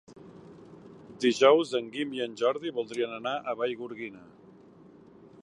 Dijous en Guim i en Jordi voldrien anar a Vallgorguina.